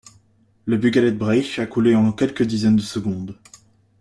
Le Bugaled Breizh a coulé en quelques dizaines de secondes.